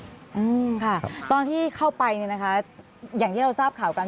อืมค่ะตอนที่เข้าไปเนี่ยนะคะอย่างที่เราทราบข่าวกัน